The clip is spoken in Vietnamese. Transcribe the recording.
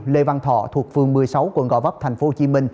lê văn thọ thuộc phường một mươi sáu quận gò vấp tp hcm